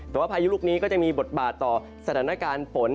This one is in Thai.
แต่ว่าพายุลูกนี้ก็จะมีบทบาทต่อสถานการณ์ฝน